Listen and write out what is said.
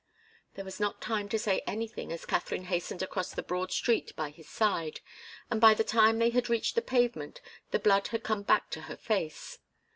There was not time to say anything as Katharine hastened across the broad street by his side, and by the time they had reached the pavement the blood had come back to her face.